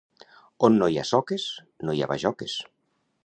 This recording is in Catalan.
On no hi ha soques, no hi ha bajoques.